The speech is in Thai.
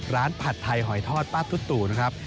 ร้านผัดไทยหอยทอดป้าตุ๊ดตู่นะครับ